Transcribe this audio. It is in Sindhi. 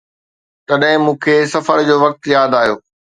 تڏهن مون کي سفر جو وقت ياد آيو